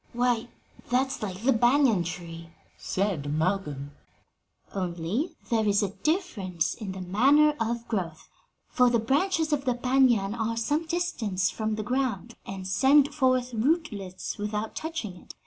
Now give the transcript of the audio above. '" "Why, that's like the banyan tree," said Malcolm. "Only there is a difference in the manner of growth, for the branches of the banyan are some distance from the ground and send forth rootlets without touching it.